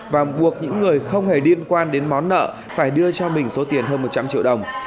và buộc những người không hề liên quan đến món nợ phải đưa cho mình số tiền hơn một trăm linh triệu đồng